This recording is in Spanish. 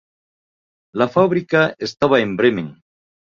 La fábrica estaba en Bremen.